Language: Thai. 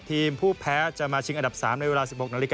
ทีมผู้แพ้จะมะชิงอัดับ๓ในเวลา๑๖๓๐